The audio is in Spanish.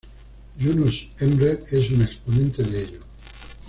Yunus Emre es un exponente de ello.